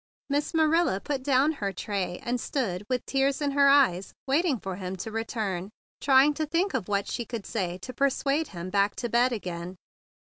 Miss Marilla put down her tray, and stood with tears in her eyes, waiting for him to return, trying to think what she could say to persuade him back to bed again.